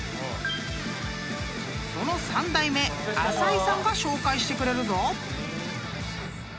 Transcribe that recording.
［その３代目浅井さんが紹介してくれるぞ］